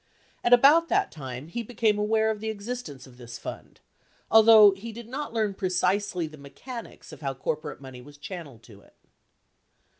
At about that time he became aware of the existence of this fund, although he did not learn precisely the mechanics of how cor porate money was channeled to it.